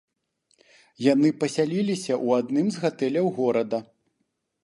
Яны пасяліліся ў адным з гатэляў горада.